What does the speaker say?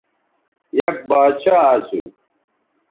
یک باچھا اسو